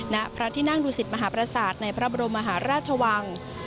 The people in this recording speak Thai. ณพระที่นั่งดูสิตมหาประสาทในพระบรมมหาราชวัง